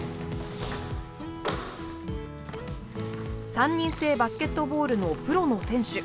３人制バスケットボールのプロの選手。